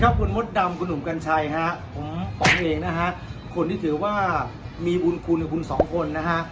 คนนี้รู้จักขนาดเยอะไม่กล้าเล่น